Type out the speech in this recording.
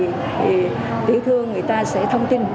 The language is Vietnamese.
thì tiểu thương sẽ thông tin